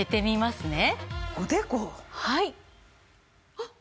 あっ！